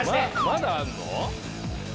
まだあんの？